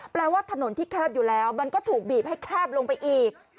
ว่าถนนที่แคบอยู่แล้วมันก็ถูกบีบให้แคบลงไปอีก